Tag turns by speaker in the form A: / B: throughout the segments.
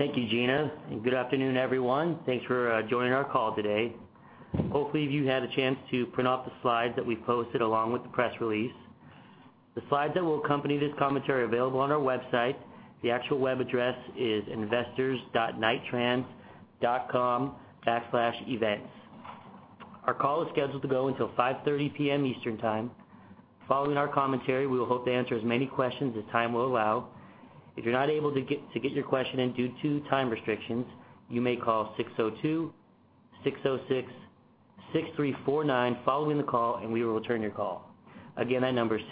A: Thank you, Gina, and good afternoon, everyone. Thanks for joining our call today. Hopefully, you've had a chance to print off the slides that we posted along with the press release. The slides that will accompany this commentary are available on our website. The actual web address is investors.knight-trans.com/events. Our call is scheduled to go until 5:30 P.M. Eastern Time. Following our commentary, we will hope to answer as many questions as time will allow. If you're not able to get, to get your question in due to time restrictions, you may call 602-606-6349 following the call, and we will return your call. Again, that number is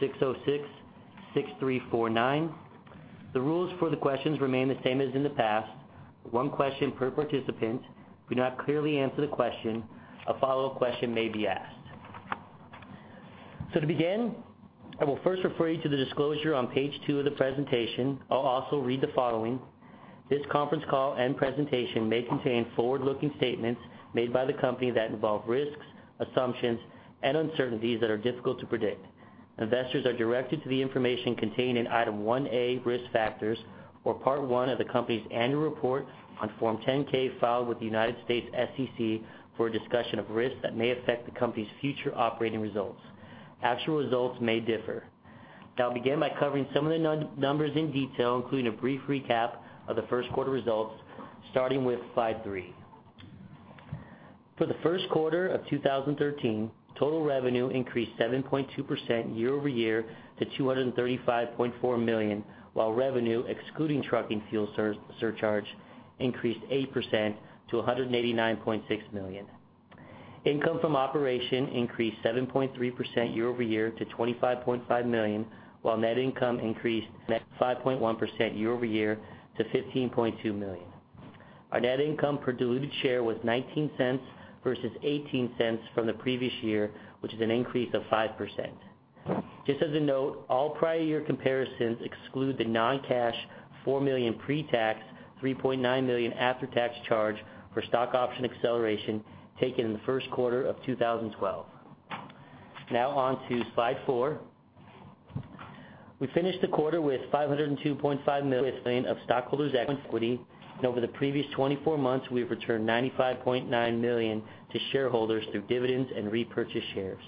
A: 602-606-6349. The rules for the questions remain the same as in the past. One question per participant. If we do not clearly answer the question, a follow-up question may be asked. To begin, I will first refer you to the disclosure on page 2 of the presentation. I'll also read the following: This conference call and presentation may contain forward-looking statements made by the company that involve risks, assumptions, and uncertainties that are difficult to predict. Investors are directed to the information contained in Item 1A, Risk Factors, or Part One of the company's Annual Report on Form 10-K, filed with the United States SEC, for a discussion of risks that may affect the company's future operating results. Actual results may differ. Now, I'll begin by covering some of the numbers in detail, including a brief recap of the first quarter results, starting with Slide 3. For the first quarter of 2013, total revenue increased 7.2% year-over-year to $235.4 million, while revenue, excluding trucking fuel surcharge, increased 8% to $189.6 million. Income from operations increased 7.3% year-over-year to $25.5 million, while net income increased 5.1% year-over-year to $15.2 million. Our net income per diluted share was $0.19 versus $0.18 from the previous year, which is an increase of 5%. Just as a note, all prior year comparisons exclude the non-cash $4 million pre-tax, $3.9 million after-tax charge for stock option acceleration taken in the first quarter of 2012. Now on to Slide 4. We finished the quarter with $502.5 million of stockholders' equity, and over the previous 24 months, we've returned $95.9 million to shareholders through dividends and repurchased shares.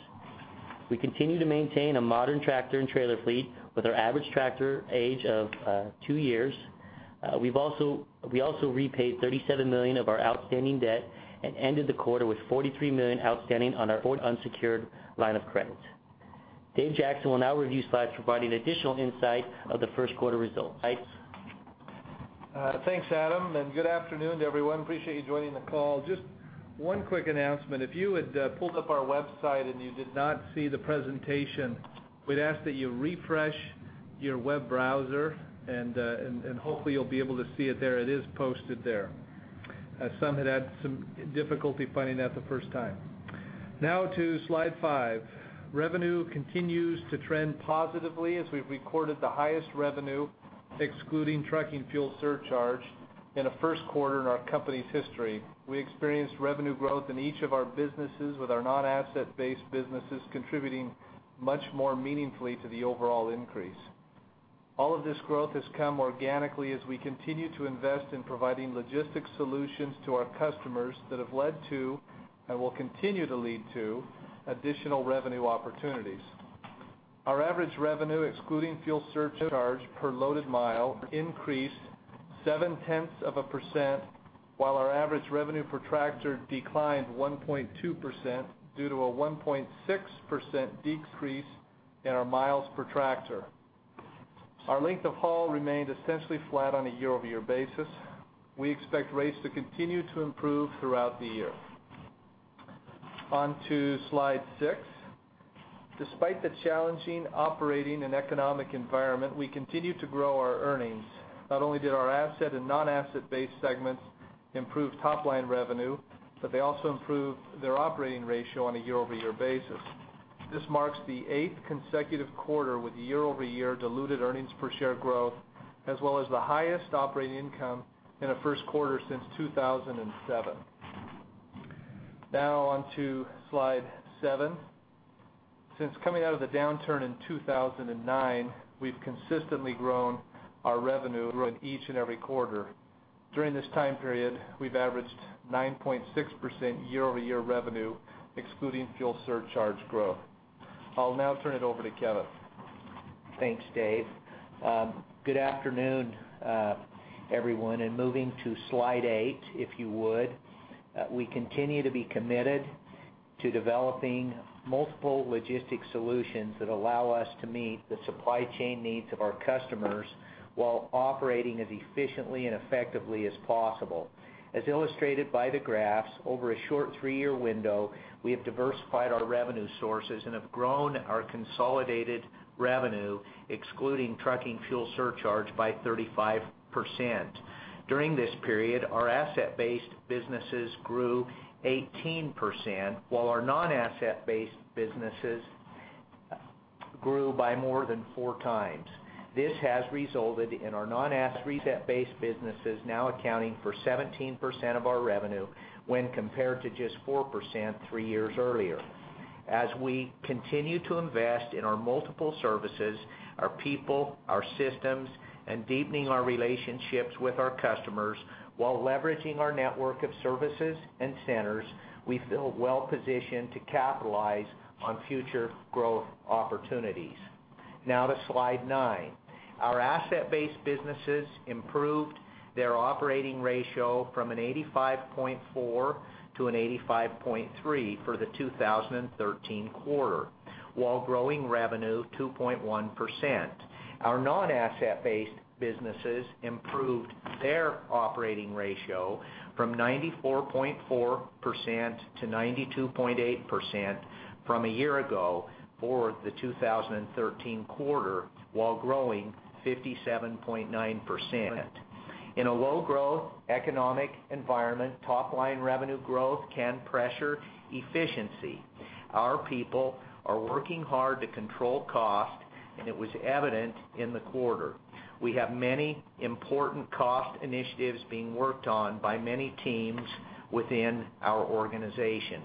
A: We continue to maintain a modern tractor and trailer fleet, with our average tractor age of two years. We've also repaid $37 million of our outstanding debt and ended the quarter with $43 million outstanding on our unsecured line of credit. Dave Jackson will now review slides providing additional insight of the first quarter results. Dave?
B: Thanks, Adam, and good afternoon to everyone. Appreciate you joining the call. Just one quick announcement. If you had pulled up our website and you did not see the presentation, we'd ask that you refresh your web browser and hopefully you'll be able to see it there. It is posted there. Some had some difficulty finding that the first time. Now to Slide 5. Revenue continues to trend positively as we've recorded the highest revenue, excluding trucking fuel surcharge, in a first quarter in our company's history. We experienced revenue growth in each of our businesses, with our non-asset-based businesses contributing much more meaningfully to the overall increase. All of this growth has come organically as we continue to invest in providing logistics solutions to our customers that have led to, and will continue to lead to, additional revenue opportunities. Our average revenue, excluding fuel surcharge per loaded mile, increased 0.7%, while our average revenue per tractor declined 1.2% due to a 1.6% decrease in our miles per tractor. Our length of haul remained essentially flat on a year-over-year basis. We expect rates to continue to improve throughout the year. On to Slide 6. Despite the challenging operating and economic environment, we continue to grow our earnings. Not only did our asset and non-asset-based segments improve top-line revenue, but they also improved their operating ratio on a year-over-year basis. This marks the eighth consecutive quarter with year-over-year diluted earnings per share growth, as well as the highest operating income in a first quarter since 2007. Now on to Slide 7. Since coming out of the downturn in 2009, we've consistently grown our revenue in each and every quarter. During this time period, we've averaged 9.6% year-over-year revenue, excluding fuel surcharge growth. I'll now turn it over to Kevin.
C: Thanks, Dave. Good afternoon, everyone, and moving to Slide 8, if you would. We continue to be committed to developing multiple logistics solutions that allow us to meet the supply chain needs of our customers while operating as efficiently and effectively as possible. As illustrated by the graphs, over a short 3-year window, we have diversified our revenue sources and have grown our consolidated revenue, excluding trucking fuel surcharge, by 35%. During this period, our asset-based businesses grew 18%, while our non-asset-based businesses grew by more than 4 times. This has resulted in our non-asset-based businesses now accounting for 17% of our revenue, when compared to just 4% 3 years earlier. ...As we continue to invest in our multiple services, our people, our systems, and deepening our relationships with our customers, while leveraging our network of services and centers, we feel well positioned to capitalize on future growth opportunities. Now to Slide 9. Our asset-based businesses improved their operating ratio from an 85.4 to an 85.3 for the 2013 quarter, while growing revenue 2.1%. Our non-asset-based businesses improved their operating ratio from 94.4%-92.8% from a year ago for the 2013 quarter, while growing 57.9%. In a low growth economic environment, top line revenue growth can pressure efficiency. Our people are working hard to control cost, and it was evident in the quarter. We have many important cost initiatives being worked on by many teams within our organization.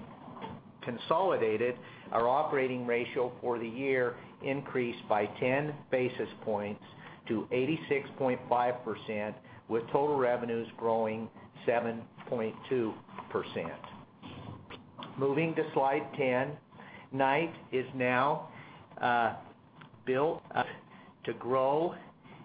C: Consolidated, our operating ratio for the year increased by 10 basis points to 86.5%, with total revenues growing 7.2%. Moving to Slide 10. Knight is now built to grow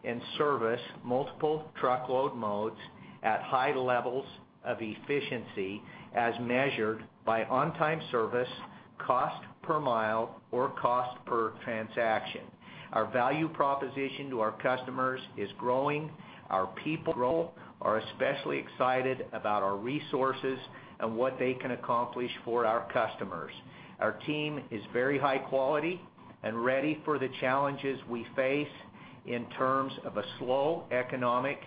C: and service multiple truckload modes at high levels of efficiency, as measured by on-time service, cost per mile, or cost per transaction. Our value proposition to our customers is growing. Our people are especially excited about our resources and what they can accomplish for our customers. Our team is very high quality and ready for the challenges we face in terms of a slow economic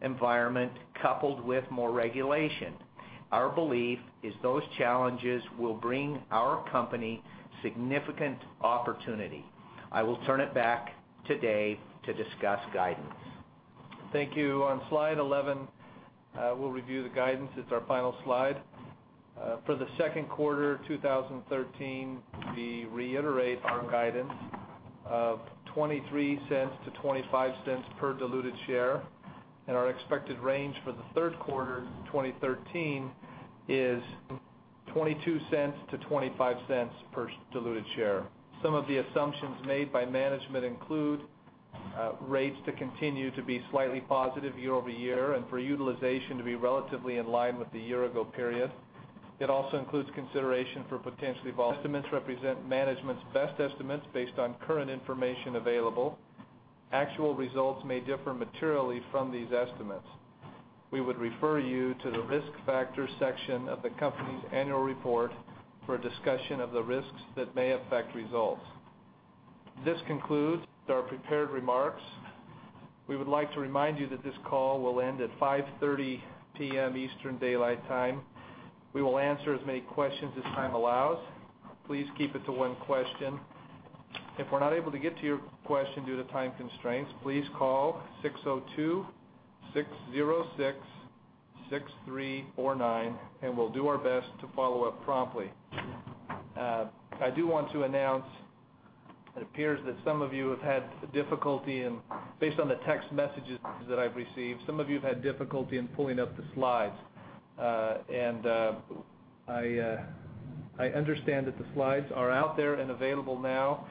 C: environment, coupled with more regulation. Our belief is those challenges will bring our company significant opportunity. I will turn it back today to discuss guidance.
B: Thank you. On Slide 11, we'll review the guidance. It's our final slide. For the second quarter 2013, we reiterate our guidance of $0.23-$0.25 per diluted share, and our expected range for the third quarter 2013 is $0.22-$0.25 per diluted share. Some of the assumptions made by management include, rates to continue to be slightly positive year-over-year, and for utilization to be relatively in line with the year-ago period. It also includes consideration for potentially estimates represent management's best estimates based on current information available. Actual results may differ materially from these estimates. We would refer you to the Risk Factors section of the company's Annual Report for a discussion of the risks that may affect results. This concludes our prepared remarks. We would like to remind you that this call will end at 5:30 P.M. Eastern Daylight Time. We will answer as many questions as time allows. Please keep it to one question. If we're not able to get to your question due to time constraints, please call 602-606-6349, and we'll do our best to follow up promptly. I do want to announce, it appears that some of you have had difficulty in, based on the text messages that I've received, some of you have had difficulty in pulling up the slides. And I understand that the slides are out there and available now.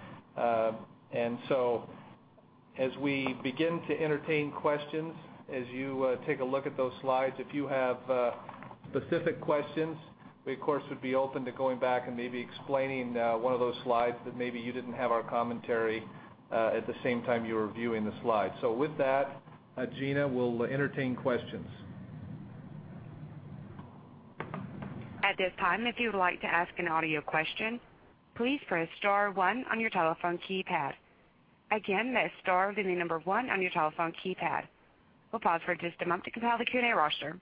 B: And so as we begin to entertain questions, as you take a look at those slides, if you have specific questions, we, of course, would be open to going back and maybe explaining one of those slides that maybe you didn't have our commentary at the same time you were viewing the slides. So with that, Gina, we'll entertain questions.
D: At this time, if you'd like to ask an audio question, please press star one on your telephone keypad. Again, that's star, then the number one on your telephone keypad. We'll pause for just a moment to compile the Q&A roster.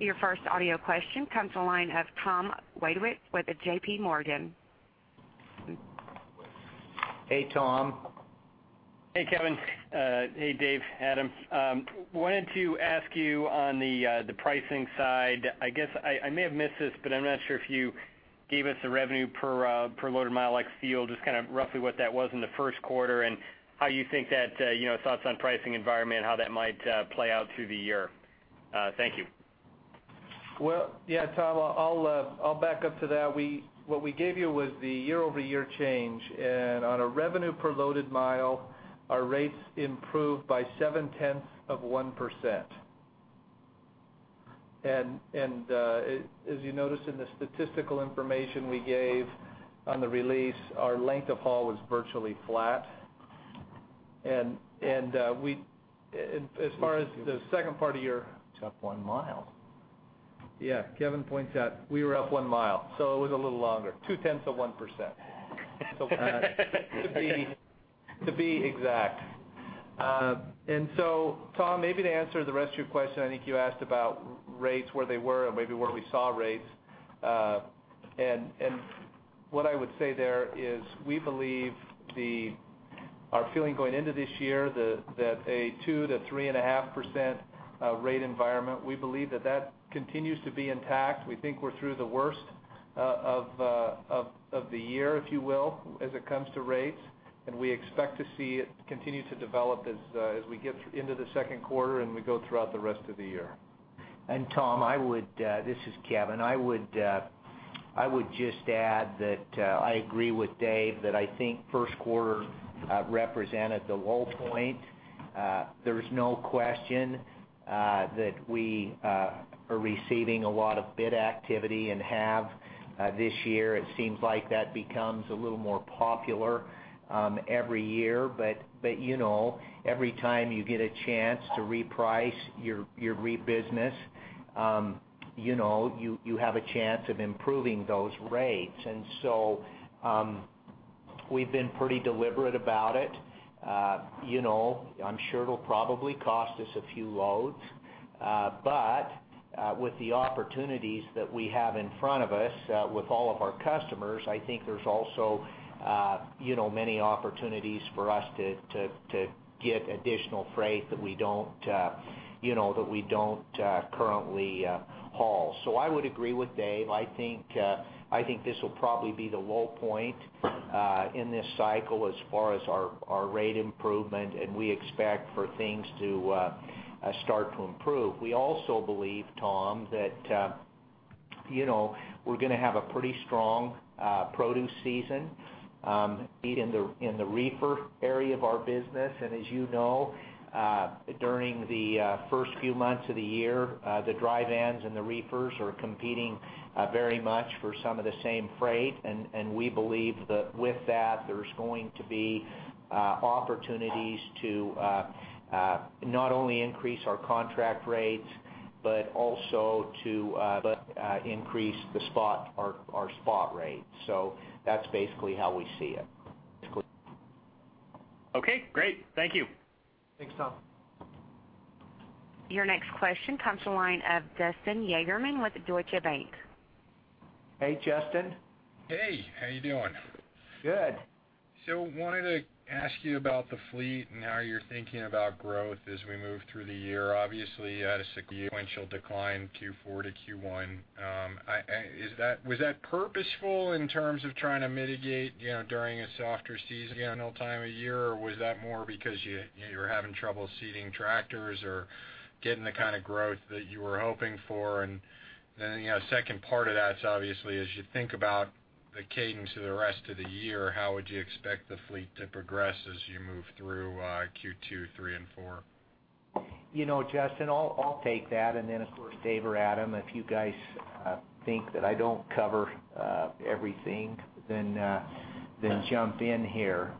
D: Your first audio question comes from the line of Tom Wadewitz with JPMorgan.
C: Hey, Tom.
E: Hey, Kevin. Hey, Dave, Adam. Wanted to ask you on the pricing side. I guess I may have missed this, but I'm not sure if you gave us a revenue per loaded mile, like feel, just kind of roughly what that was in the first quarter, and how you think that, you know, thoughts on pricing environment, how that might play out through the year. Thank you.
B: Well, yeah, Tom, I'll, I'll back up to that. What we gave you was the year-over-year change, and on a revenue per loaded mile, our rates improved by 0.7%. And, and, as you noticed in the statistical information we gave on the release, our length of haul was virtually flat. And, and, as far as the second part of your-
C: It's up one mile.
B: Yeah, Kevin points out we were up one mile, so it was a little longer, 0.2%. To be exact. And so, Tom, maybe to answer the rest of your question, I think you asked about rates, where they were and maybe where we saw rates. And what I would say there is, we believe our feeling going into this year, that a 2%-3.5% rate environment, we believe that that continues to be intact. We think we're through the worst of the year, if you will, as it comes to rates, and we expect to see it continue to develop as we get into the second quarter, and we go throughout the rest of the year.
C: And Tom, this is Kevin. I would just add that I agree with Dave that I think first quarter represented the low point. There's no question that we are receiving a lot of bid activity and have this year. It seems like that becomes a little more popular every year. But you know, every time you get a chance to reprice your rebid business, you know, you have a chance of improving those rates. And so, we've been pretty deliberate about it. You know, I'm sure it'll probably cost us a few loads, but with the opportunities that we have in front of us with all of our customers, I think there's also, you know, many opportunities for us to get additional freight that we don't, you know, that we don't currently haul. So I would agree with Dave. I think, I think this will probably be the low point in this cycle as far as our rate improvement, and we expect for things to start to improve. We also believe, Tom, that, you know, we're gonna have a pretty strong produce season in the reefer area of our business. As you know, during the first few months of the year, the dry vans and the reefers are competing very much for some of the same freight. We believe that with that, there's going to be opportunities to not only increase our contract rates, but also to increase our spot rates. That's basically how we see it.
E: Okay, great. Thank you.
B: Thanks, Tom.
D: Your next question comes from the line of Justin Yagerman with Deutsche Bank.
C: Hey, Justin.
F: Hey, how you doing?
C: Good.
F: Wanted to ask you about the fleet and how you're thinking about growth as we move through the year. Obviously, you had a sequential decline in Q4 to Q1. I, is that, was that purposeful in terms of trying to mitigate, you know, during a softer seasonal time of year, or was that more because you, you were having trouble seating tractors or getting the kind of growth that you were hoping for? And then, you know, the second part of that's obviously, as you think about the cadence of the rest of the year, how would you expect the fleet to progress as you move through Q2, three, and four?
C: You know, Justin, I'll take that, and then, of course, Dave or Adam, if you guys think that I don't cover everything, then jump in here.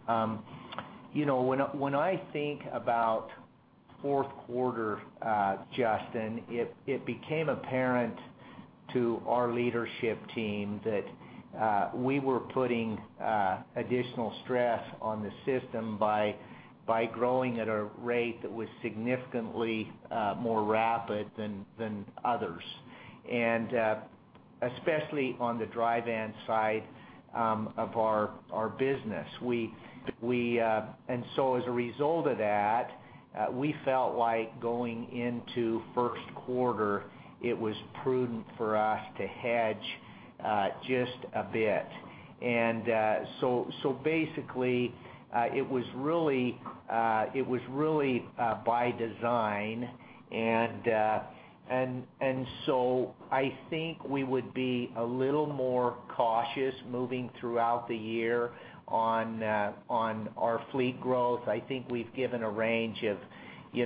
C: You know, when I think about fourth quarter, Justin, it became apparent to our leadership team that we were putting additional stress on the system by growing at a rate that was significantly more rapid than others, and especially on the dry van side of our business. And so as a result of that, we felt like going into first quarter, it was prudent for us to hedge just a bit. And, so, so basically, it was really, it was really, by design, and, and, and so I think we would be a little more cautious moving throughout the year on, on our fleet growth. I think we've given a range of, you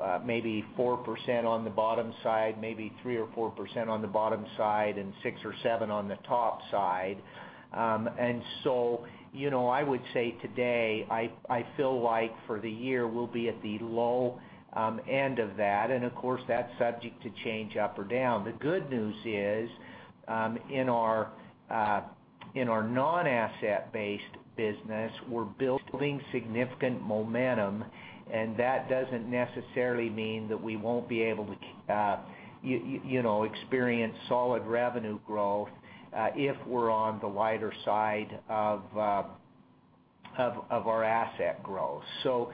C: know, maybe 4% on the bottom side, maybe 3%-4% on the bottom side, and 6-7 on the top side. And so, you know, I would say today, I, I feel like for the year, we'll be at the low, end of that, and of course, that's subject to change up or down. The good news is, in our non-asset-based business, we're building significant momentum, and that doesn't necessarily mean that we won't be able to, you know, experience solid revenue growth, if we're on the lighter side of our asset growth. So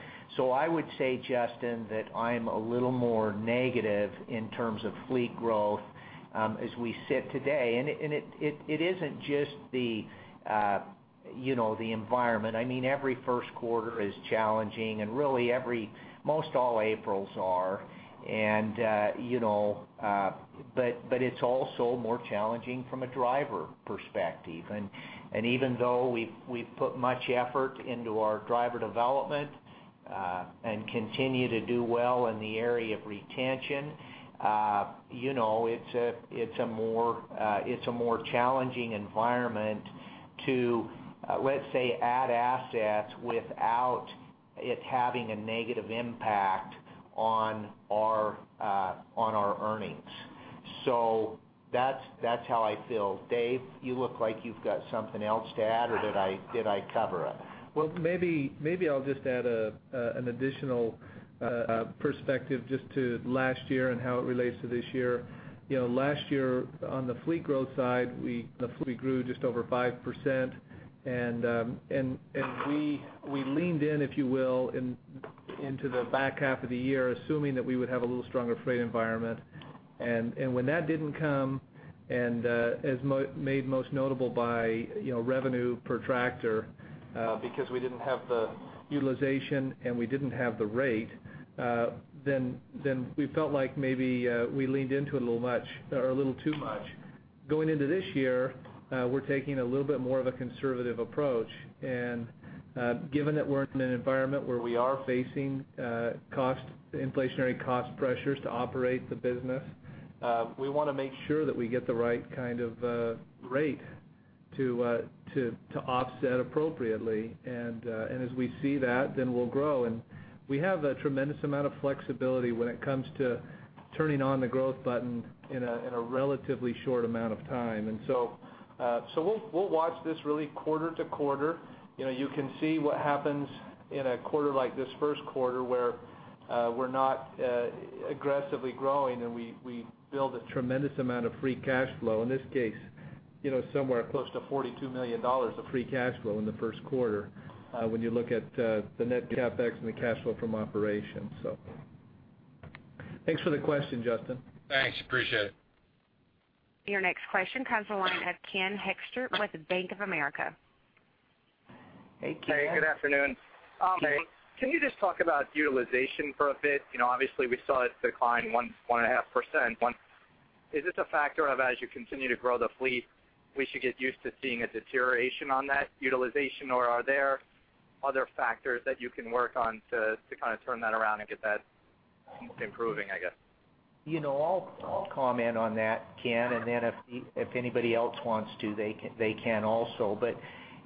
C: I would say, Justin, that I'm a little more negative in terms of fleet growth, as we sit today. And it isn't just the, you know, the environment. I mean, every first quarter is challenging, and really, most all Aprils are. And, you know, but it's also more challenging from a driver perspective. Even though we've put much effort into our driver development and continue to do well in the area of retention, you know, it's a more challenging environment to, let's say, add assets without it having a negative impact on our earnings. So that's how I feel. Dave, you look like you've got something else to add, or did I cover it?
B: Well, maybe, maybe I'll just add an additional perspective just to last year and how it relates to this year. You know, last year, on the fleet growth side, we, the fleet grew just over 5%, and we leaned in, if you will, in-... into the back half of the year, assuming that we would have a little stronger freight environment. And when that didn't come, as most notable by, you know, revenue per tractor, because we didn't have the utilization, and we didn't have the rate, then we felt like maybe we leaned into it a little much or a little too much. Going into this year, we're taking a little bit more of a conservative approach. And given that we're in an environment where we are facing inflationary cost pressures to operate the business, we wanna make sure that we get the right kind of rate to offset appropriately. And as we see that, then we'll grow. We have a tremendous amount of flexibility when it comes to turning on the growth button in a relatively short amount of time. And so, so we'll watch this really quarter to quarter. You know, you can see what happens in a quarter like this first quarter, where we're not aggressively growing, and we build a tremendous amount of free cash flow. In this case, you know, somewhere close to $42 million of free cash flow in the first quarter, when you look at the net CapEx and the cash flow from operations, so. Thanks for the question, Justin.
F: Thanks. Appreciate it.
D: Your next question comes from the line of Ken Hoexter with Bank of America.
C: Hey, Ken.
G: Hey, good afternoon.
C: Hey.
G: Can you just talk about utilization for a bit? You know, obviously, we saw it decline 1%-1.5%. Is this a factor of as you continue to grow the fleet, we should get used to seeing a deterioration on that utilization, or are there other factors that you can work on to kind of turn that around and get that improving, I guess?
C: You know, I'll comment on that, Ken, and then if anybody else wants to, they can also. But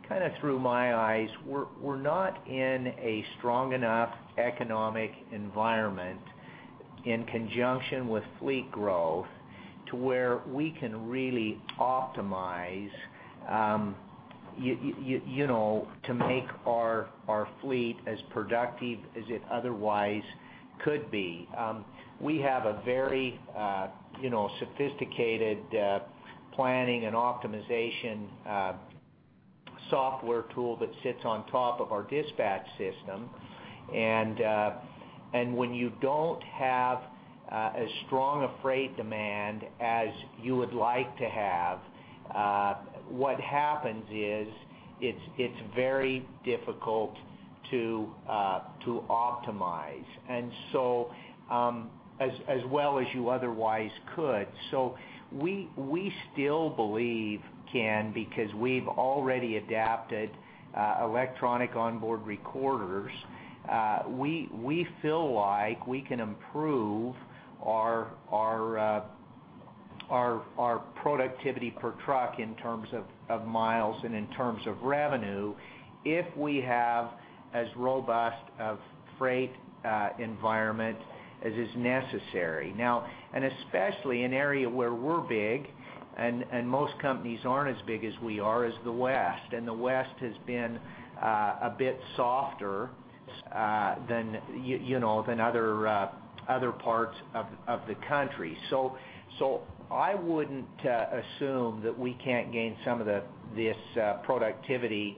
C: kind of through my eyes, we're not in a strong enough economic environment in conjunction with fleet growth, to where we can really optimize, you know, to make our fleet as productive as it otherwise could be. We have a very, you know, sophisticated planning and optimization software tool that sits on top of our dispatch system. And, and when you don't have as strong a freight demand as you would like to have, what happens is, it's very difficult to optimize, and so, as well as you otherwise could. So we still believe, Ken, because we've already adapted electronic onboard recorders, we feel like we can improve our productivity per truck in terms of miles and in terms of revenue, if we have as robust of freight environment as is necessary. Now, and especially in an area where we're big, and most companies aren't as big as we are, is the West, and the West has been a bit softer than, you know, than other parts of the country. So I wouldn't assume that we can't gain some of this productivity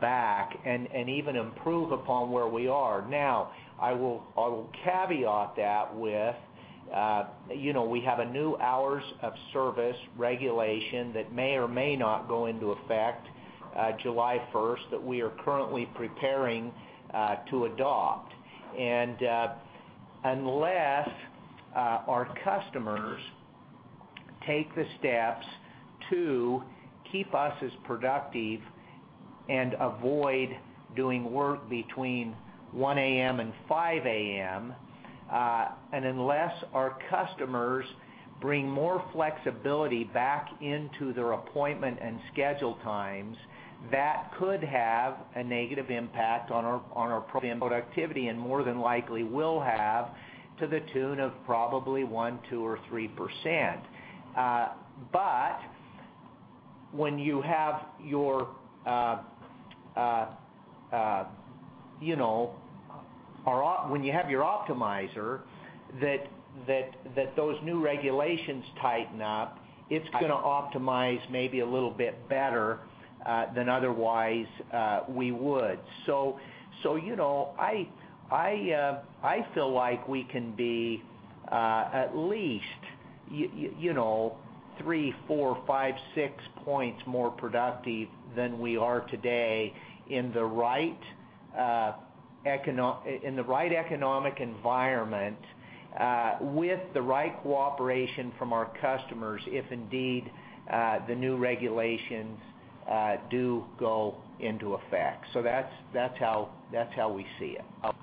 C: back and even improve upon where we are. Now, I will caveat that with, you know, we have a new Hours of Service regulation that may or may not go into effect July first, that we are currently preparing to adopt. Unless our customers take the steps to keep us as productive and avoid doing work between 1 A.M. and 5 A.M., and unless our customers bring more flexibility back into their appointment and schedule times, that could have a negative impact on our productivity, and more than likely will have, to the tune of probably 1%, 2%, or 3%. But when you have your optimizer, you know, those new regulations tighten up, it's gonna optimize maybe a little bit better than otherwise we would. So, you know, I feel like we can be at least you know three, four, five, six points more productive than we are today in the right economic environment with the right cooperation from our customers, if indeed the new regulations do go into effect. So that's how we see it.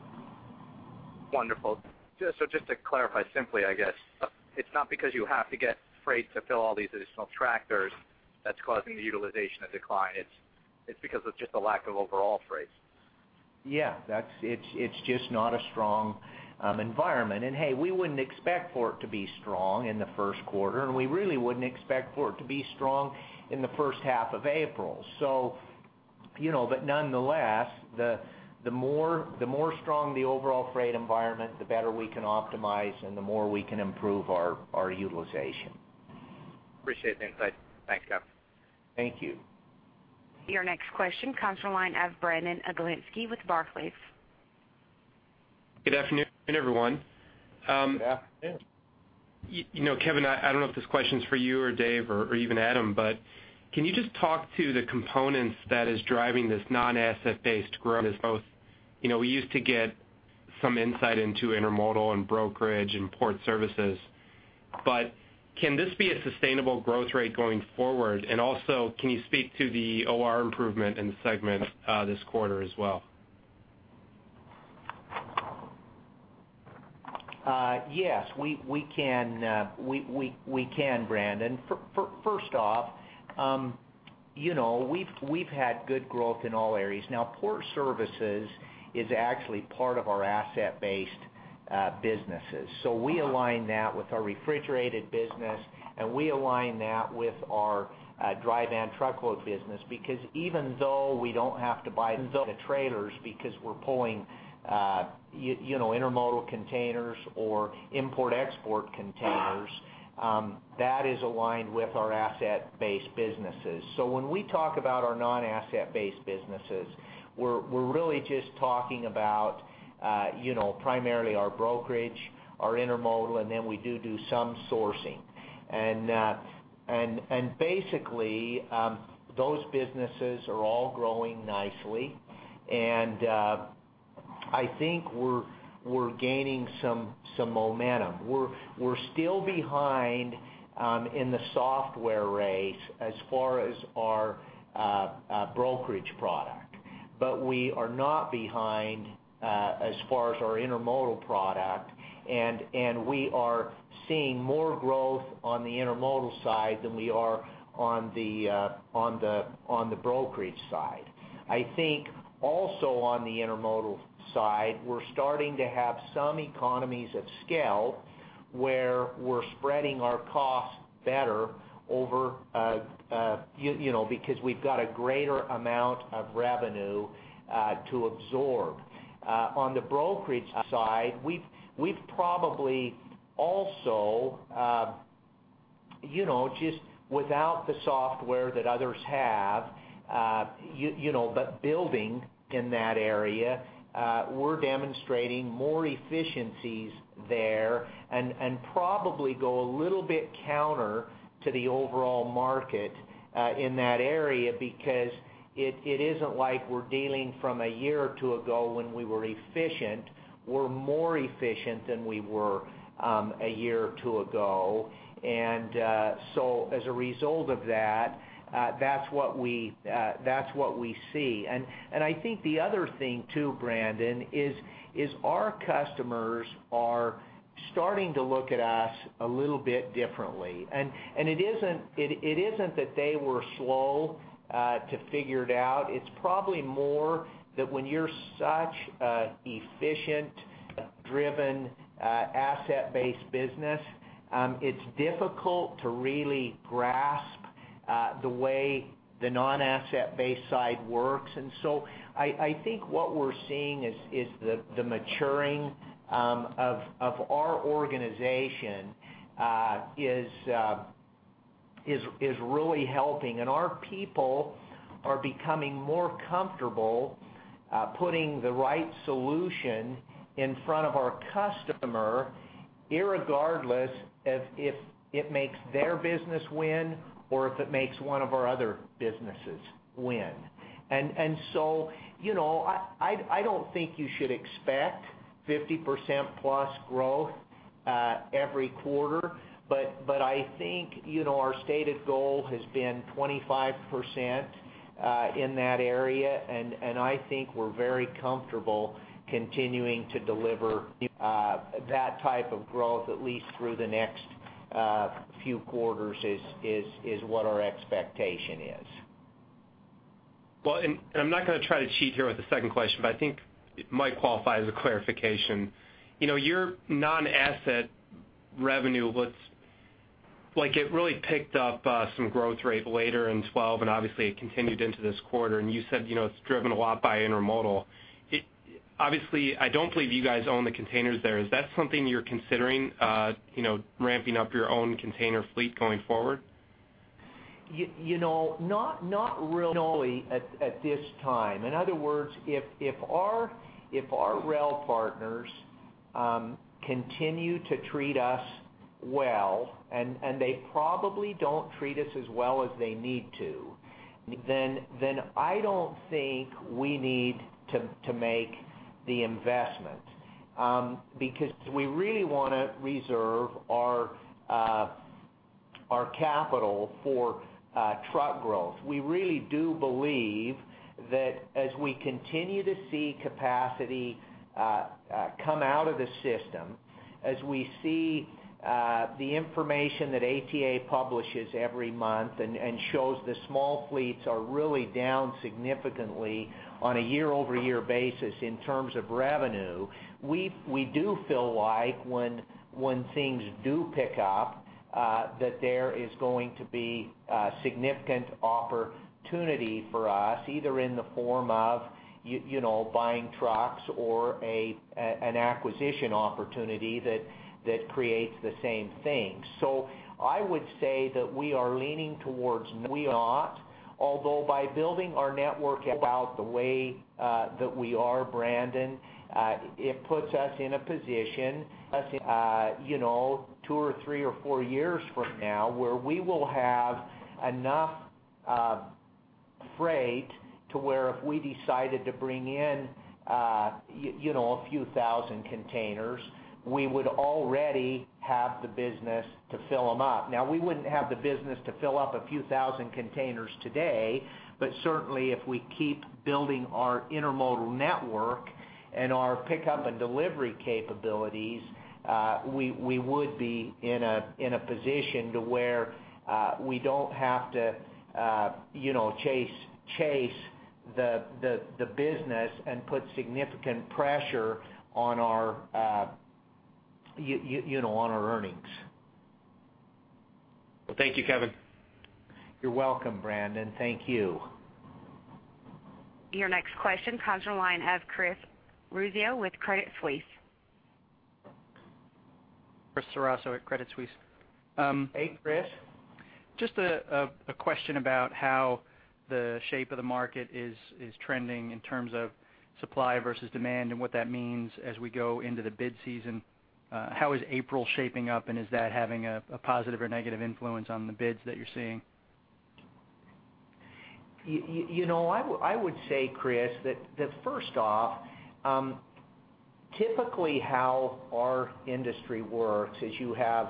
G: Wonderful. So, just to clarify simply, I guess, it's not because you have to get freight to fill all these additional tractors that's causing the utilization to decline, it's because of just the lack of overall freight?
C: Yeah, that's—it's just not a strong environment. And, hey, we wouldn't expect for it to be strong in the first quarter, and we really wouldn't expect for it to be strong in the first half of April. So, you know, but nonetheless, the more strong the overall freight environment, the better we can optimize, and the more we can improve our utilization....
G: Appreciate the insight. Thanks, guys.
C: Thank you.
D: Your next question comes from the line of Brandon Oglenski with Barclays.
H: Good afternoon, everyone.
C: Good afternoon.
H: You know, Kevin, I don't know if this question's for you or Dave or even Adam, but can you just talk to the components that is driving this non-asset-based growth as both? You know, we used to get some insight into intermodal and brokerage and port services, but can this be a sustainable growth rate going forward? And also, can you speak to the OR improvement in the segment this quarter as well?
C: Yes, we can, Brandon. First off, you know, we've had good growth in all areas. Now, port services is actually part of our asset-based businesses. So we align that with our refrigerated business, and we align that with our dry van truckload business, because even though we don't have to buy the trailers, because we're pulling, you know, intermodal containers or import/export containers, that is aligned with our asset-based businesses. So when we talk about our non-asset-based businesses, we're really just talking about, you know, primarily our brokerage, our intermodal, and then we do some sourcing. And basically, those businesses are all growing nicely, and I think we're gaining some momentum. We're still behind in the software race as far as our brokerage product, but we are not behind as far as our intermodal product. And we are seeing more growth on the intermodal side than we are on the brokerage side. I think also on the intermodal side, we're starting to have some economies of scale, where we're spreading our costs better over you know, because we've got a greater amount of revenue to absorb. On the brokerage side, we've probably also, you know, just without the software that others have, you know, but building in that area, we're demonstrating more efficiencies there and probably go a little bit counter to the overall market in that area, because it isn't like we're dealing from a year or two ago when we were efficient. We're more efficient than we were a year or two ago. So as a result of that, that's what we see. And I think the other thing, too, Brandon, is our customers are starting to look at us a little bit differently. And it isn't that they were slow to figure it out, it's probably more that when you're such an efficient, driven, asset-based business, it's difficult to really grasp the way the non-asset-based side works. And so I think what we're seeing is the maturing of our organization is really helping. And our people are becoming more comfortable putting the right solution in front of our customer, irregardless if it makes their business win or if it makes one of our other businesses win. So, you know, I don't think you should expect 50% plus growth every quarter, but I think, you know, our stated goal has been 25% in that area, and I think we're very comfortable continuing to deliver that type of growth, at least through the next few quarters. That is what our expectation is.
H: Well, and I'm not gonna try to cheat here with the second question, but I think it might qualify as a clarification. You know, your non-asset revenue was—like, it really picked up some growth rate later in 2012, and obviously, it continued into this quarter, and you said, you know, it's driven a lot by intermodal. It-obviously, I don't believe you guys own the containers there. Is that something you're considering, you know, ramping up your own container fleet going forward?
C: You know, not really at this time. In other words, if our rail partners continue to treat us well, and they probably don't treat us as well as they need to, then I don't think we need to make the investment, because we really wanna reserve our capital for truck growth. We really do believe that as we continue to see capacity come out of the system-... As we see, the information that ATA publishes every month and shows the small fleets are really down significantly on a year-over-year basis in terms of revenue, we do feel like when things do pick up, that there is going to be significant opportunity for us, either in the form of, you know, buying trucks or an acquisition opportunity that creates the same thing. So I would say that we are leaning towards we not, although by building our network about the way that we are, Brandon, it puts us in a position, you know, two or three or four years from now, where we will have enough freight to where if we decided to bring in, you know, a few thousand containers, we would already have the business to fill them up. Now, we wouldn't have the business to fill up a few thousand containers today, but certainly, if we keep building our intermodal network and our pickup and delivery capabilities, we would be in a position to where we don't have to, you know, chase the business and put significant pressure on our, you know, on our earnings.
H: Well, thank you, Kevin.
C: You're welcome, Brandon. Thank you.
D: Your next question comes from the line of Chris Ceraso with Credit Suisse.
I: Chris Ceraso at Credit Suisse.
C: Hey, Chris.
I: Just a question about how the shape of the market is trending in terms of supply versus demand, and what that means as we go into the bid season. How is April shaping up, and is that having a positive or negative influence on the bids that you're seeing?
C: You know, I would say, Chris, that first off, typically, how our industry works is you have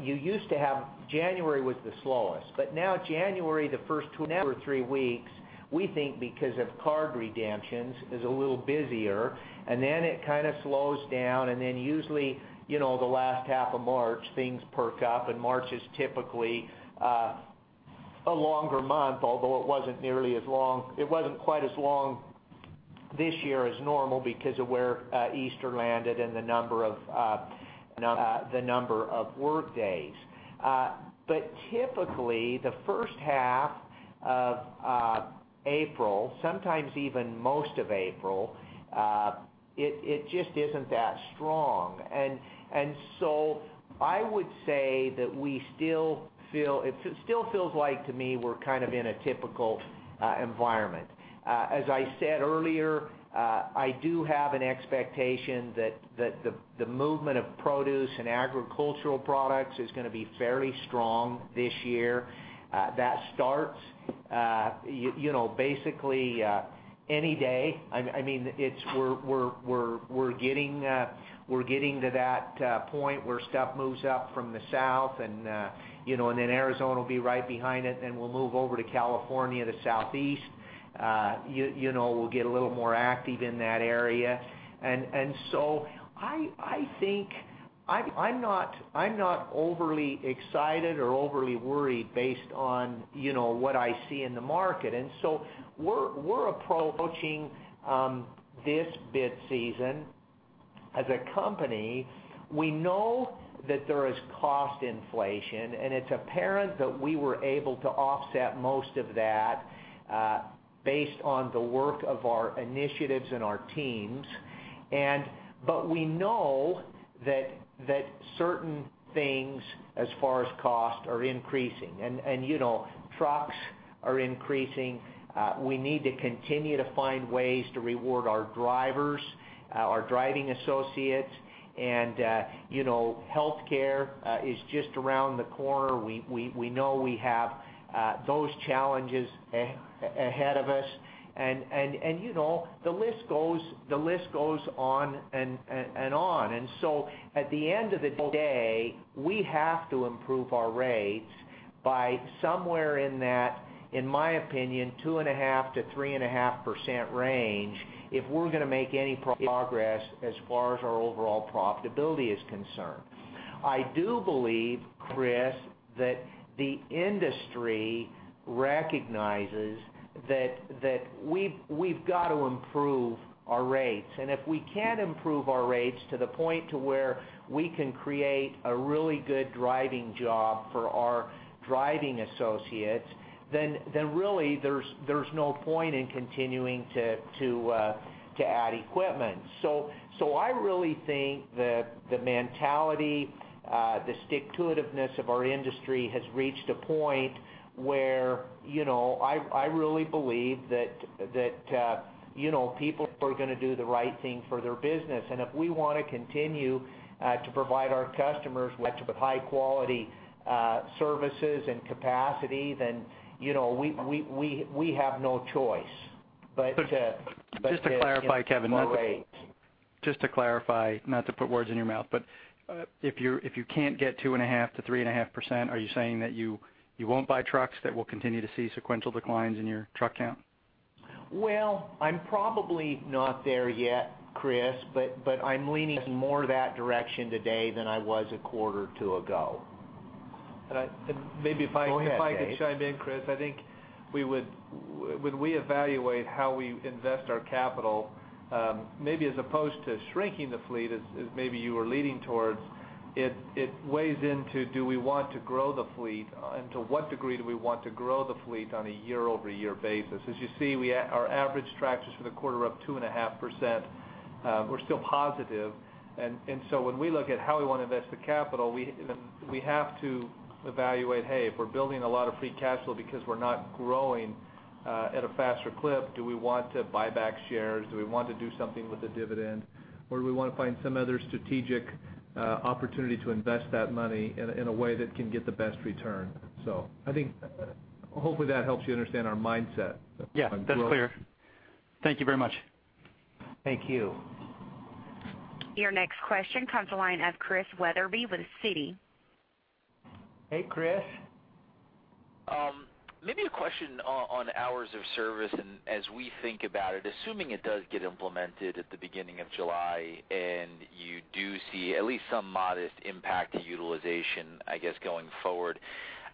C: you used to have January was the slowest, but now January, the first two or three weeks, we think because of card redemptions, is a little busier, and then it kind of slows down, and then usually, you know, the last half of March, things perk up, and March is typically a longer month, although it wasn't nearly as long, it wasn't quite as long this year as normal because of where Easter landed and the number of work days. But typically, the first half of April, sometimes even most of April, it just isn't that strong. I would say that we still feel it still feels like, to me, we're kind of in a typical environment. As I said earlier, I do have an expectation that the movement of produce and agricultural products is gonna be fairly strong this year. That starts, you know, basically any day. I mean, it's we're getting to that point where stuff moves up from the south, and, you know, and then Arizona will be right behind it, and then we'll move over to California, the Southeast. You know, we'll get a little more active in that area. And so I think I'm not overly excited or overly worried based on, you know, what I see in the market. We're approaching this bid season as a company. We know that there is cost inflation, and it's apparent that we were able to offset most of that based on the work of our initiatives and our teams. But we know that certain things, as far as cost, are increasing. You know, trucks are increasing. We need to continue to find ways to reward our drivers, our driving associates, and you know, healthcare is just around the corner. We know we have those challenges ahead of us. You know, the list goes on and on. And so at the end of the day, we have to improve our rates by somewhere in that, in my opinion, 2.5%-3.5% range, if we're gonna make any progress as far as our overall profitability is concerned. I do believe, Chris, that the industry recognizes that, that we've, we've got to improve our rates. And if we can't improve our rates to the point to where we can create a really good driving job for our driving associates, then, then really there's, there's no point in continuing to, to add equipment. So, so I really think that the mentality, the stick-to-it-iveness of our industry has reached a point where, you know, I, I really believe that, that, uh, you know, people are gonna do the right thing for their business. If we want to continue to provide our customers with high-quality services and capacity, then, you know, we have no choice. But
I: Just to clarify, Kevin,
C: Okay.
I: Just to clarify, not to put words in your mouth, but, if you can't get 2.5%-3.5%, are you saying that you, you won't buy trucks, that we'll continue to see sequential declines in your truck count?
C: ...Well, I'm probably not there yet, Chris, but, but I'm leaning more that direction today than I was a quarter or two ago.
B: And maybe if I-
C: Go ahead, Dave.
B: If I could chime in, Chris, I think we would when we evaluate how we invest our capital, maybe as opposed to shrinking the fleet, as maybe you were leaning towards, it weighs into, do we want to grow the fleet? And to what degree do we want to grow the fleet on a year-over-year basis? As you see, we our average tractors for the quarter are up 2.5%. We're still positive, and so when we look at how we want to invest the capital, we have to evaluate, hey, if we're building a lot of free cash flow because we're not growing at a faster clip, do we want to buy back shares? Do we want to do something with the dividend, or do we want to find some other strategic opportunity to invest that money in a, in a way that can get the best return? So I think, hopefully, that helps you understand our mindset.
I: Yeah, that's clear. Thank you very much.
C: Thank you.
D: Your next question comes from the line of Chris Wetherbee with Citi.
C: Hey, Chris.
J: Maybe a question on hours of service, and as we think about it, assuming it does get implemented at the beginning of July, and you do see at least some modest impact to utilization, I guess, going forward,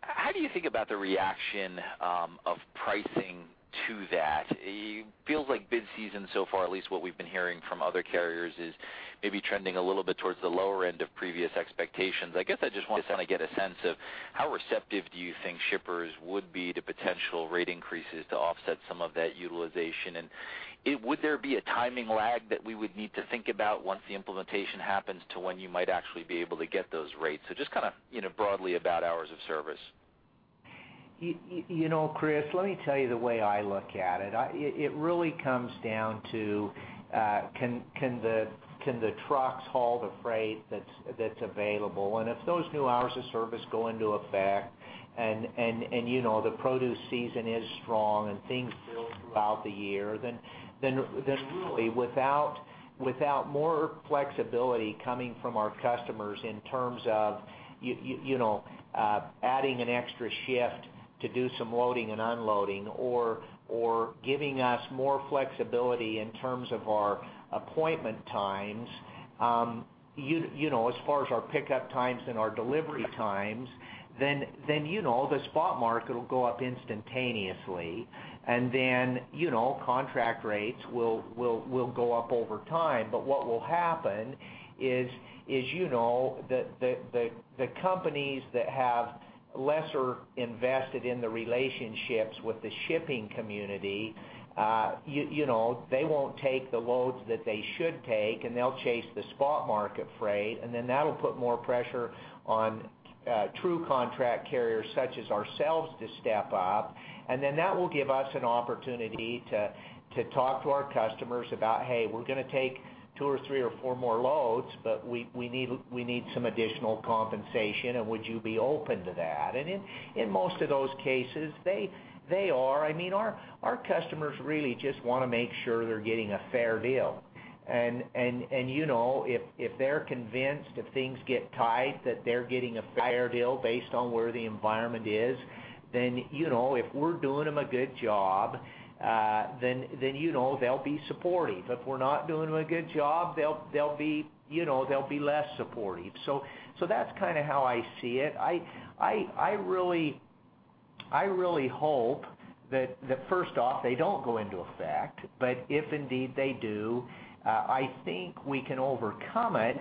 J: how do you think about the reaction of pricing to that? It feels like bid season so far, at least what we've been hearing from other carriers, is maybe trending a little bit towards the lower end of previous expectations. I guess I just want to kind of get a sense of how receptive do you think shippers would be to potential rate increases to offset some of that utilization? And it would there be a timing lag that we would need to think about once the implementation happens to when you might actually be able to get those rates? Just kind of, you know, broadly, about Hours of Service.
C: You know, Chris, let me tell you the way I look at it. It really comes down to, can the trucks haul the freight that's available? And if those new hours of service go into effect and, you know, the produce season is strong and things build throughout the year, then really, without more flexibility coming from our customers in terms of, you know, adding an extra shift to do some loading and unloading, or giving us more flexibility in terms of our appointment times, you know, as far as our pickup times and our delivery times, then, you know, the spot market will go up instantaneously, and then, you know, contract rates will go up over time. But what will happen is, you know, the companies that have lesser invested in the relationships with the shipping community, you know, they won't take the loads that they should take, and they'll chase the spot market freight, and then that'll put more pressure on true contract carriers, such as ourselves, to step up. And then that will give us an opportunity to talk to our customers about, "Hey, we're gonna take two or three or four more loads, but we need some additional compensation, and would you be open to that?" And in most of those cases, they are. I mean, our customers really just wanna make sure they're getting a fair deal. You know, if they're convinced, if things get tight, that they're getting a fair deal based on where the environment is, then, you know, if we're doing them a good job, then you know they'll be supportive. If we're not doing them a good job, they'll be, you know, they'll be less supportive. So that's kind of how I see it. I really hope that first off, they don't go into effect, but if indeed they do, I think we can overcome it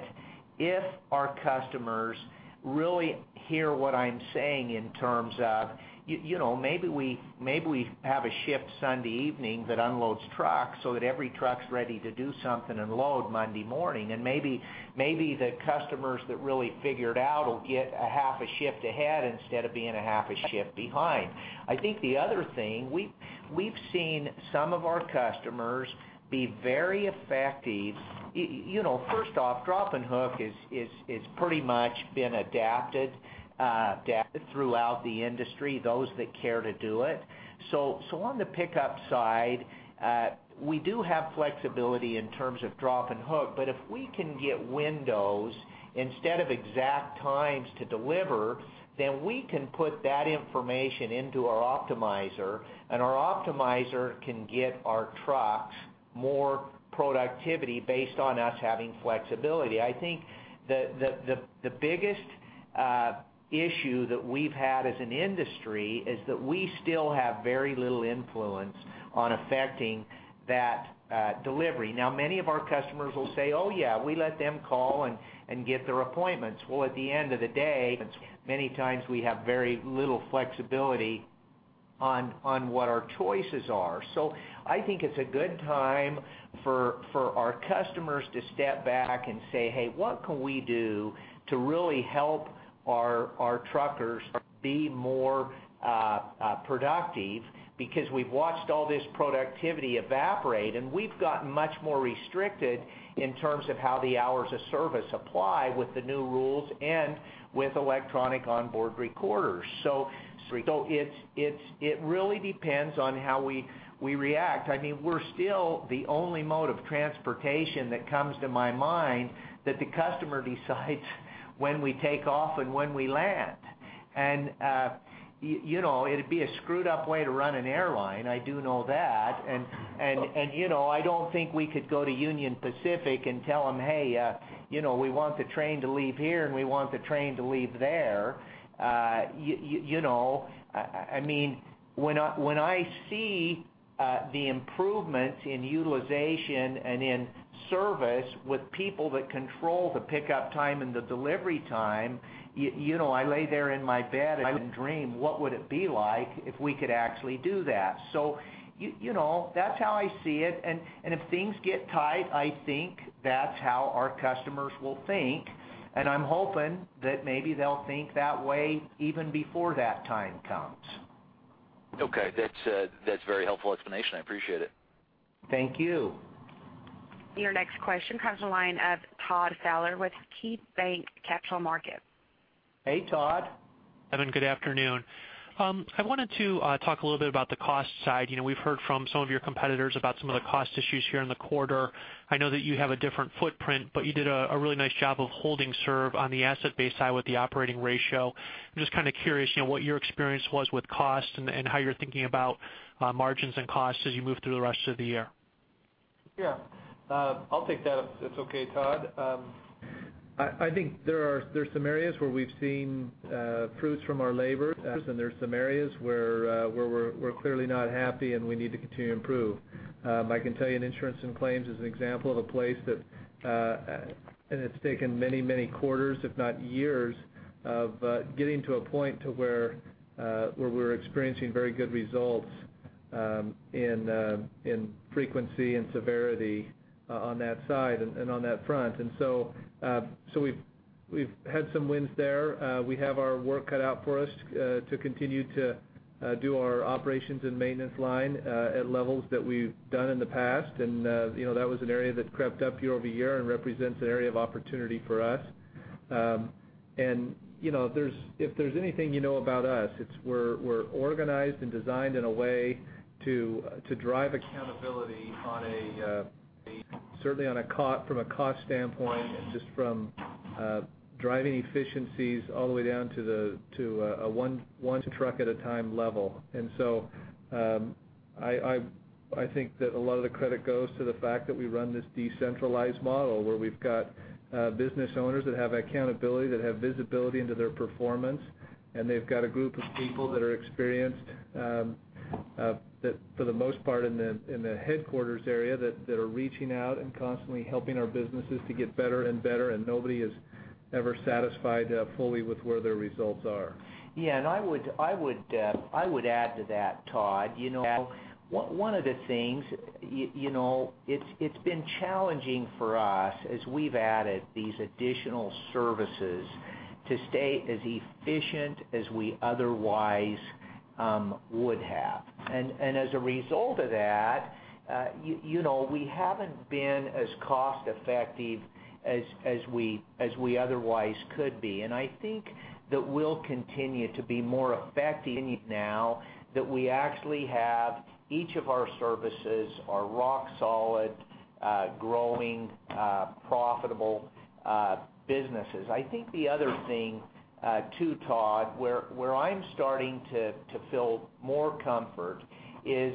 C: if our customers really hear what I'm saying in terms of, you know, maybe we have a shift Sunday evening that unloads trucks so that every truck's ready to do something and load Monday morning. And maybe the customers that really figure it out will get a half a shift ahead instead of being a half a shift behind. I think the other thing, we've seen some of our customers be very effective. You know, first off, drop and hook is pretty much been adapted throughout the industry, those that care to do it. So on the pickup side, we do have flexibility in terms of drop and hook, but if we can get windows instead of exact times to deliver, then we can put that information into our optimizer, and our optimizer can give our trucks more productivity based on us having flexibility. I think the biggest issue that we've had as an industry is that we still have very little influence on affecting that delivery. Now, many of our customers will say, "Oh, yeah, we let them call and get their appointments." Well, at the end of the day, many times we have very little flexibility on what our choices are. So I think it's a good time for our customers to step back and say, "Hey, what can we do to really help our truckers be more productive?" Because we've watched all this productivity evaporate, and we've gotten much more restricted in terms of how the hours of service apply with the new rules and with electronic onboard recorders. So it's it really depends on how we react. I mean, we're still the only mode of transportation that comes to my mind, that the customer decides when we take off and when we land. And, you know, it'd be a screwed up way to run an airline, I do know that. And, you know, I don't think we could go to Union Pacific and tell them: Hey, you know, we want the train to leave here, and we want the train to leave there. You know, I mean, when I see the improvements in utilization and in service with people that control the pickup time and the delivery time, you know, I lay there in my bed, and I would dream, what would it be like if we could actually do that? So you know, that's how I see it. And if things get tight, I think that's how our customers will think, and I'm hoping that maybe they'll think that way even before that time comes.
J: Okay. That's, that's a very helpful explanation. I appreciate it.
C: Thank you.
D: Your next question comes from the line of Todd Fowler with KeyBanc Capital Markets.
C: Hey, Todd.
K: Kevin, good afternoon. I wanted to talk a little bit about the cost side. You know, we've heard from some of your competitors about some of the cost issues here in the quarter. I know that you have a different footprint, but you did a really nice job of holding serve on the asset-based side with the operating ratio. I'm just kind of curious, you know, what your experience was with cost and how you're thinking about margins and costs as you move through the rest of the year.
B: Yeah. I'll take that, if it's okay, Todd. I think there are, there's some areas where we've seen fruits from our labor, and there's some areas where we're clearly not happy, and we need to continue to improve. I can tell you insurance and claims is an example of a place that, and it's taken many, many quarters, if not years, of getting to a point to where we're experiencing very good results in frequency and severity on that side and on that front. So we've had some wins there. We have our work cut out for us to continue to do our operations and maintenance line at levels that we've done in the past. You know, that was an area that crept up year-over-year and represents an area of opportunity for us. You know, if there's anything you know about us, it's that we're organized and designed in a way to drive accountability, certainly from a cost standpoint, and just from driving efficiencies all the way down to the one truck at a time level. And so, I think that a lot of the credit goes to the fact that we run this decentralized model, where we've got business owners that have accountability, that have visibility into their performance, and they've got a group of people that are experienced, that, for the most part, in the headquarters area, that are reaching out and constantly helping our businesses to get better and better, and nobody is ever satisfied fully with where their results are.
C: Yeah, and I would add to that, Todd. You know, one of the things, you know, it's been challenging for us as we've added these additional services to stay as efficient as we otherwise would have. And as a result of that, you know, we haven't been as cost effective as we otherwise could be. And I think that we'll continue to be more effective now that we actually have each of our services are rock solid, growing, profitable, businesses. I think the other thing too, Todd, where I'm starting to feel more comfort is,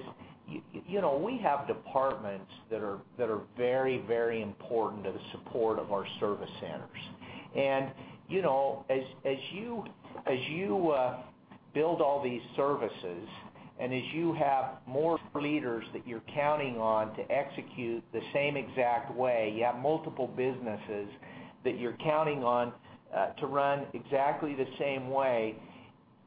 C: you know, we have departments that are very, very important to the support of our service centers. You know, as you build all these services, and as you have more leaders that you're counting on to execute the same exact way, you have multiple businesses that you're counting on to run exactly the same way,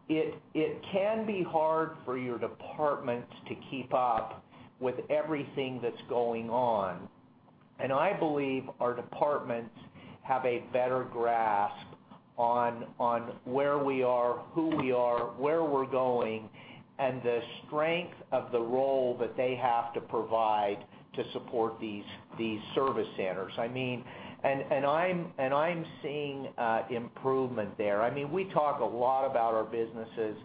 C: it can be hard for your departments to keep up with everything that's going on. And I believe our departments have a better grasp on where we are, who we are, where we're going, and the strength of the role that they have to provide to support these service centers. I mean... And I'm seeing improvement there. I mean, we talk a lot about our businesses.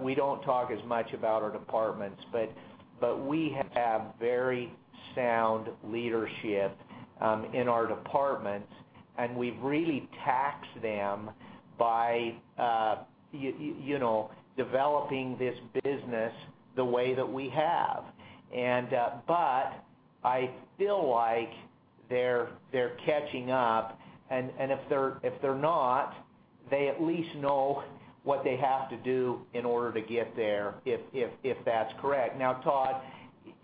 C: We don't talk as much about our departments, but we have very sound leadership in our departments, and we've really taxed them by you know, developing this business the way that we have. But I feel like they're catching up, and if they're not, they at least know what they have to do in order to get there, if that's correct. Now, Todd,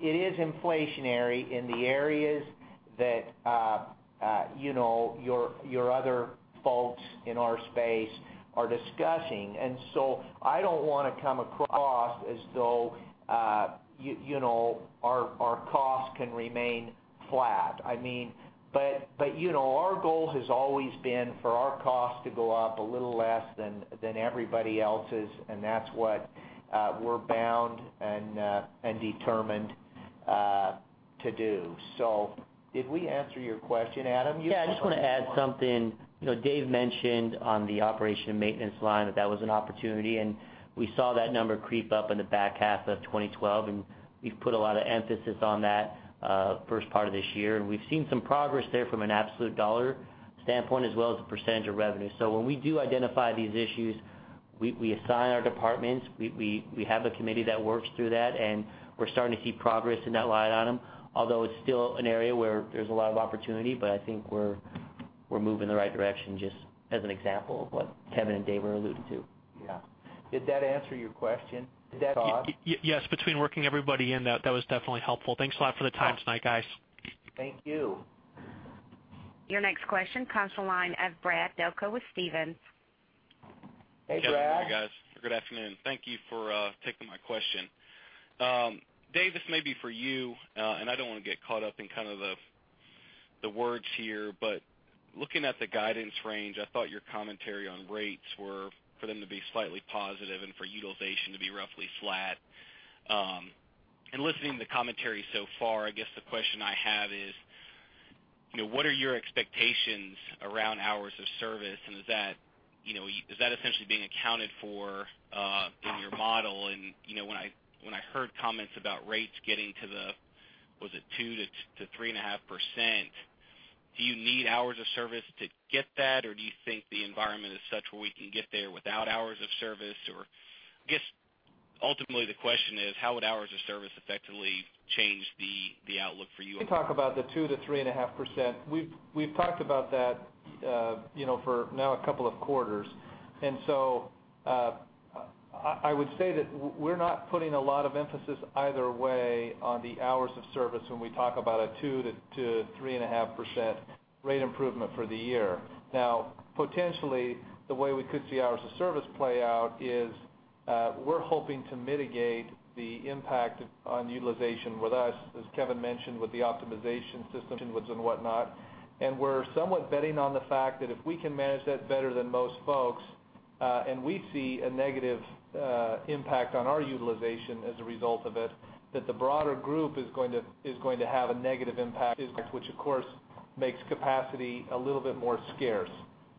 C: it is inflationary in the areas that you know, your other folks in our space are discussing. So I don't want to come across as though you know, our costs can remain flat. I mean, but you know, our goal has always been for our costs to go up a little less than everybody else's, and that's what we're bound and determined to do. So did we answer your question, Adam?
A: Yeah, I just want to add something. You know, Dave mentioned on the operation and maintenance line that that was an opportunity, and we saw that number creep up in the back half of 2012, and we've put a lot of emphasis on that first part of this year. And we've seen some progress there from an absolute dollar standpoint as well as a percentage of revenue. So when we do identify these issues,... we assign our departments, we have a committee that works through that, and we're starting to see progress in that light on them. Although it's still an area where there's a lot of opportunity, but I think we're moving in the right direction, just as an example of what Kevin and Dave were alluding to.
C: Yeah. Did that answer your question, Todd?
K: Yes, between working everybody in that, that was definitely helpful. Thanks a lot for the time tonight, guys.
C: Thank you.
D: Your next question comes from the line of Brad Delco with Stephens.
C: Hey, Brad.
L: Hey, guys. Good afternoon. Thank you for taking my question. Dave, this may be for you, and I don't want to get caught up in kind of the words here, but looking at the guidance range, I thought your commentary on rates were for them to be slightly positive and for utilization to be roughly flat. And listening to the commentary so far, I guess the question I have is, you know, what are your expectations around Hours of Service? And is that, you know, is that essentially being accounted for in your model? And, you know, when I heard comments about rates getting to the, was it 2%-3.5%, do you need Hours of Service to get that? Or do you think the environment is such where we can get there without Hours of Service? Or I guess, ultimately, the question is: How would hours of service effectively change the outlook for you?
B: Let me talk about the 2%-3.5%. We've talked about that, you know, for now, a couple of quarters. And so, I would say that we're not putting a lot of emphasis either way on the hours of service when we talk about a 2%-3.5% rate improvement for the year. Now, potentially, the way we could see hours of service play out is, we're hoping to mitigate the impact on utilization with us, as Kevin mentioned, with the optimization systems and whatnot. We're somewhat betting on the fact that if we can manage that better than most folks, and we see a negative impact on our utilization as a result of it, that the broader group is going to have a negative impact, which, of course, makes capacity a little bit more scarce.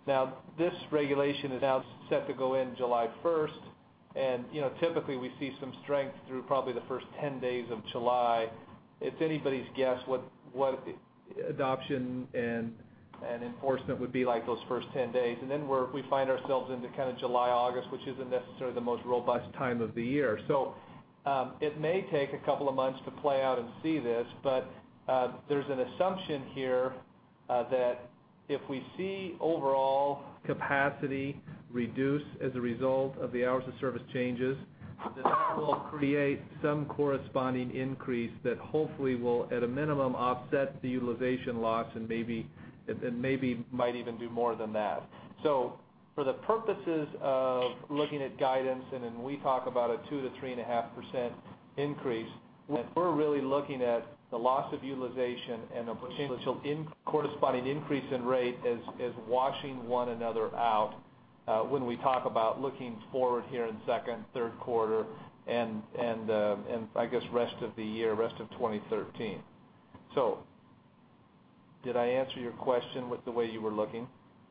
B: Now, this regulation is now set to go in July 1st, and, you know, typically, we see some strength through probably the first 10 days of July. It's anybody's guess what adoption and enforcement would be like those first 10 days. And then we find ourselves into kind of July, August, which isn't necessarily the most robust time of the year. So, it may take a couple of months to play out and see this, but there's an assumption here that if we see overall capacity reduce as a result of the Hours of Service changes, then that will create some corresponding increase that hopefully will, at a minimum, offset the utilization loss and maybe might even do more than that. So for the purposes of looking at guidance, and then we talk about a 2%-3.5% increase, we're really looking at the loss of utilization and the potential in corresponding increase in rate as washing one another out, when we talk about looking forward here in second, third quarter, and I guess rest of the year, rest of 2013. So did I answer your question with the way you were looking?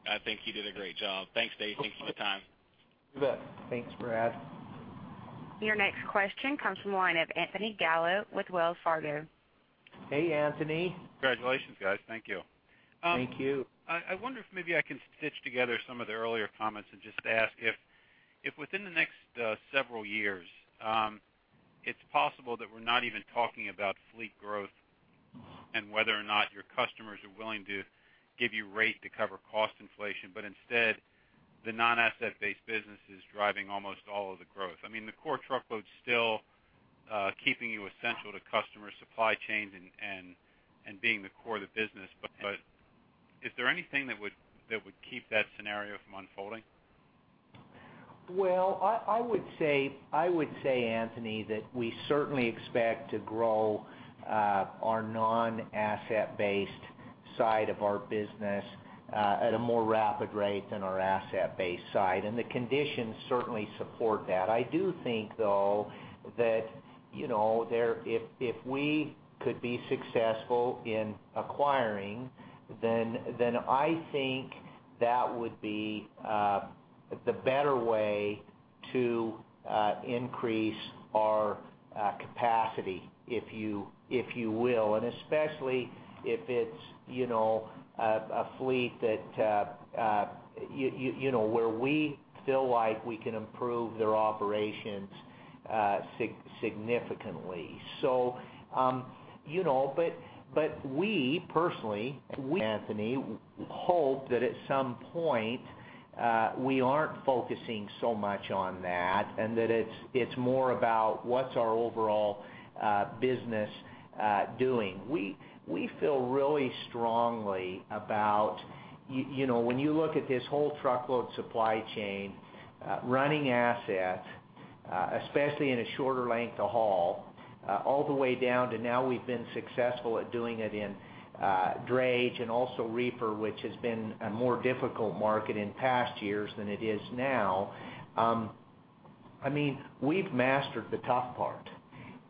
L: I think you did a great job. Thanks, Dave. Thank you for your time.
B: You bet.
C: Thanks, Brad.
D: Your next question comes from the line of Anthony Gallo with Wells Fargo.
C: Hey, Anthony.
M: Congratulations, guys. Thank you.
C: Thank you.
M: I wonder if maybe I can stitch together some of the earlier comments and just ask if within the next several years, it's possible that we're not even talking about fleet growth and whether or not your customers are willing to give you rate to cover cost inflation, but instead, the non-asset-based business is driving almost all of the growth. I mean, the core truckload's still keeping you essential to customer supply chains and being the core of the business, but is there anything that would keep that scenario from unfolding?
C: Well, I, I would say, I would say, Anthony, that we certainly expect to grow our non-asset-based side of our business at a more rapid rate than our asset-based side, and the conditions certainly support that. I do think, though, that, you know, there if we could be successful in acquiring, then, then I think that would be the better way to increase our capacity, if you, if you will, and especially if it's, you know, a fleet that, you, you, you know, where we feel like we can improve their operations significantly. So, you know, but, but we personally, we, Anthony, hope that at some point we aren't focusing so much on that and that it's, it's more about what's our overall business doing. We feel really strongly about, you know, when you look at this whole truckload supply chain, running assets, especially in a shorter length of haul, all the way down to now, we've been successful at doing it in, drayage and also reefer, which has been a more difficult market in past years than it is now. I mean, we've mastered the tough part,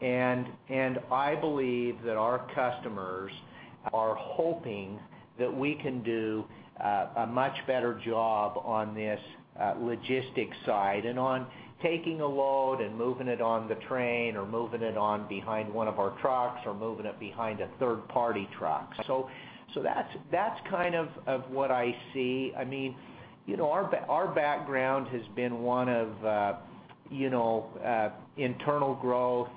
C: and I believe that our customers are hoping that we can do a much better job on this logistics side and on taking a load and moving it on the train or moving it on behind one of our trucks or moving it behind a third-party truck. So that's kind of what I see. I mean, you know, our background has been one of, you know, internal growth....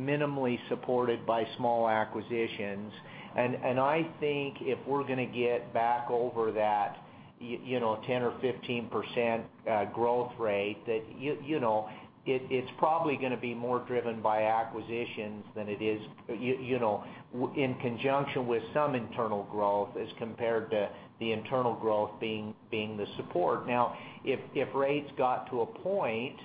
C: Minimally supported by small acquisitions. And I think if we're going to get back over that, you know, 10% or 15% growth rate, that, you know, it, it's probably going to be more driven by acquisitions than it is, you know, in conjunction with some internal growth, as compared to the internal growth being the support. Now, if rates got to a point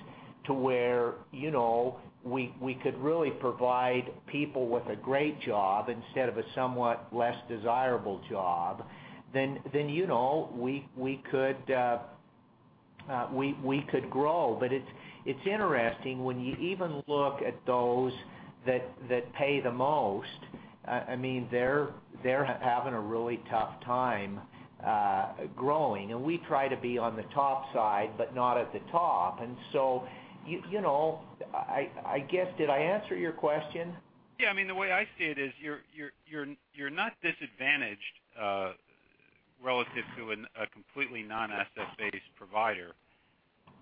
C: to where, you know, we could really provide people with a great job instead of a somewhat less desirable job, then, you know, we could grow. But it's interesting, when you even look at those that pay the most, I mean, they're having a really tough time growing. And we try to be on the top side, but not at the top. You know, I guess, did I answer your question?
M: Yeah. I mean, the way I see it is you're not disadvantaged relative to a completely non-asset-based provider-
C: No...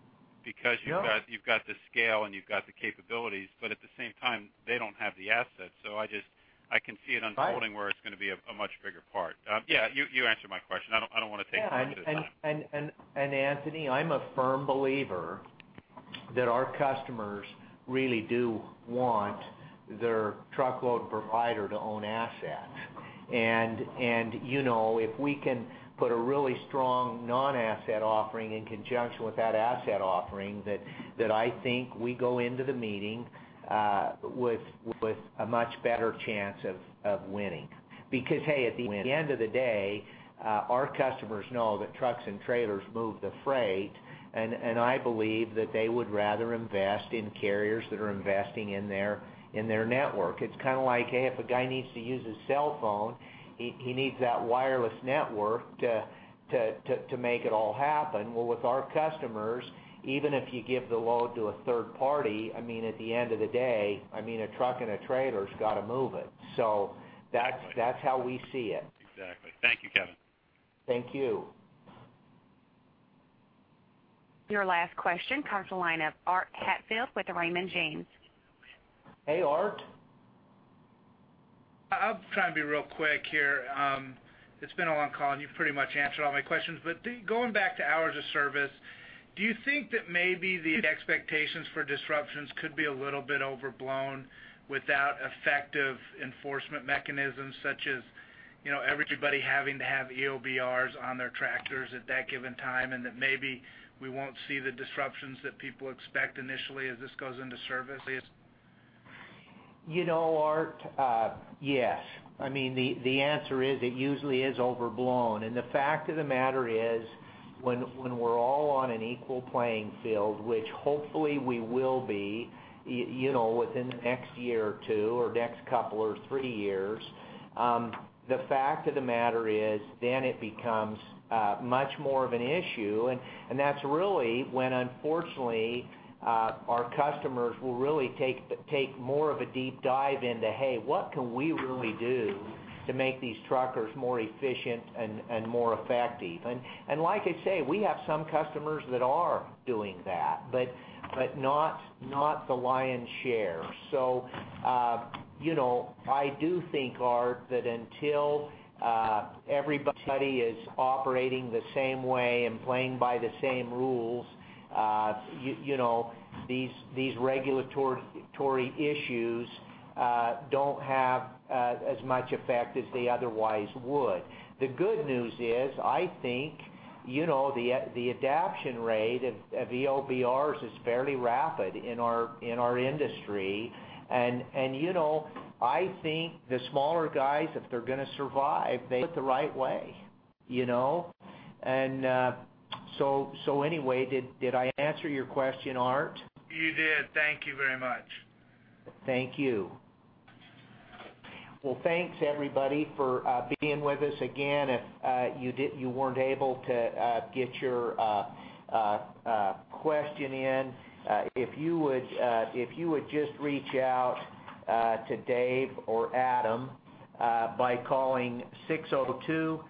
M: because you've got, you've got the scale, and you've got the capabilities, but at the same time, they don't have the assets. So I just, I can see it unfolding-
C: Right
M: where it's going to be a much bigger part. Yeah, you answered my question. I don't want to take more of your time.
C: Anthony, I'm a firm believer that our customers really do want their truckload provider to own assets. And, you know, if we can put a really strong non-asset offering in conjunction with that asset offering, that I think we go into the meeting with a much better chance of winning. Because, hey, at the end of the day, our customers know that trucks and trailers move the freight, and I believe that they would rather invest in carriers that are investing in their network. It's kind of like, hey, if a guy needs to use his cell phone, he needs that wireless network to make it all happen. Well, with our customers, even if you give the load to a third party, I mean, at the end of the day, I mean, a truck and a trailer's got to move it. So that's-
M: Exactly.
C: That's how we see it.
M: Exactly. Thank you, Kevin.
C: Thank you.
D: Your last question comes from the line of Art Hatfield with Raymond James.
C: Hey, Art.
N: I'll try and be real quick here. It's been a long call, and you've pretty much answered all my questions. But going back to hours of service, do you think that maybe the expectations for disruptions could be a little bit overblown without effective enforcement mechanisms, such as, you know, everybody having to have EOBRs on their tractors at that given time, and that maybe we won't see the disruptions that people expect initially as this goes into service?
C: You know, Art, yes. I mean, the answer is, it usually is overblown. And the fact of the matter is, when we're all on an equal playing field, which hopefully we will be, you know, within the next year or two, or next couple or three years, the fact of the matter is, then it becomes much more of an issue. And that's really when, unfortunately, our customers will really take more of a deep dive into, "Hey, what can we really do to make these truckers more efficient and more effective?" And like I say, we have some customers that are doing that, but not the lion's share. So, you know, I do think, Art, that until everybody is operating the same way and playing by the same rules, you know, these regulatory issues don't have as much effect as they otherwise would. The good news is, I think, you know, the adoption rate of EOBRs is fairly rapid in our industry. And, you know, I think the smaller guys, if they're going to survive, they put the right way, you know? So, anyway, did I answer your question, Art?
N: You did. Thank you very much.
C: Thank you. Well, thanks, everybody, for being with us again. If you weren't able to get your question in, if you would just reach out to Dave or Adam by calling 602-606-6349,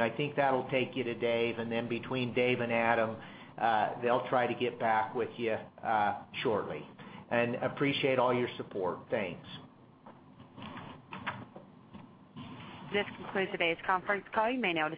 C: I think that'll take you to Dave, and then between Dave and Adam, they'll try to get back with you shortly. And appreciate all your support. Thanks.
D: This concludes today's conference call. You may now disconnect.